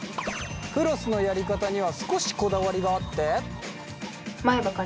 フロスのやり方には少しこだわりがあって。